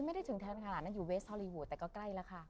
ไม่ได้ถึงแทนฮาราณอยู่เวสท์ฮอลีวูดแต่ก็ใกล้แล้วค่ะ